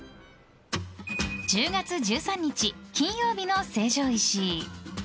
１０月１３日、金曜日の成城石井。